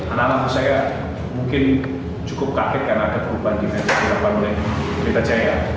anak anakku saya mungkin cukup kaget karena ada perubahan di menteri pelita jaya